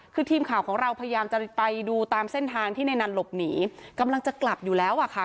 คือทีมข่าวของเราพยายามจะไปดูตามเส้นทางที่ในนั้นหลบหนีกำลังจะกลับอยู่แล้วอ่ะค่ะ